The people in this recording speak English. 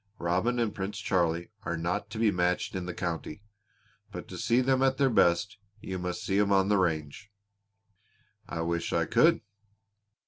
Robin and Prince Charlie are not to be matched in the county. But to see them at their best you must see 'em on the range." "I wish I could!"